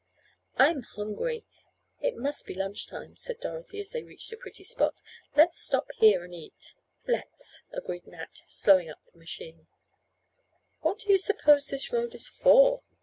"I am hungry. It must be lunch time," said Dorothy, as they reached a pretty spot, "let's stop here and eat." "Let's," agreed Nat, slowing up the machine. "What do you suppose this road is for?"